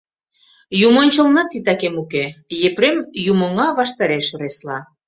Юмончылнат титакем уке, — Епрем юмоҥа ваштареш ыресла.